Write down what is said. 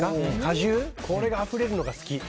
これがあふれるのが好き。